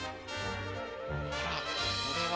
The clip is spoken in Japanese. あらこれは。